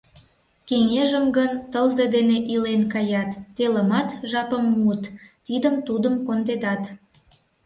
Кеҥежым гын тылзе дене илен каят; телымат жапым муыт — тидым-тудым кондедат.